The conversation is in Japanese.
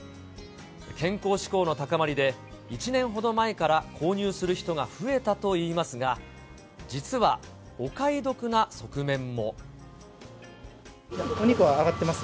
健康志向の高まりで、１年ほど前から購入する人が増えたといいまお肉は上がってます。